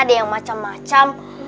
ada yang macam macam